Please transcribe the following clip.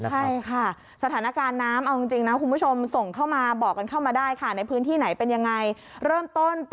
ใช่ค่ะสถานการณ์น้ำเอาจริงนะคุณผู้ชม